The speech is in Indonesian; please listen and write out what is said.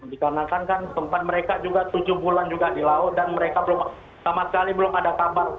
dikarenakan kan tempat mereka juga tujuh bulan juga di laut dan mereka sama sekali belum ada kabar